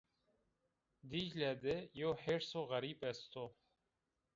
Dîcle de yew hêrso xerîb est o